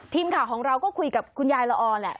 ทีมข่าวของเราก็คุยกับคุณยายละออแหละ